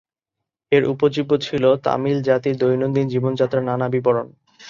এর উপজীব্য ছিল তামিল জাতির দৈনন্দিন জীবনযাত্রার নানা বিবরণ।